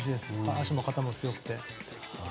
足も肩も強くて。